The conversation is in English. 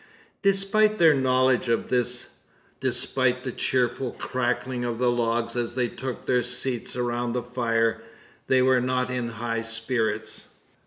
Despite their knowledge of this despite the cheerful crackling of the logs, as they took their seats around the fire they were not in high spirits.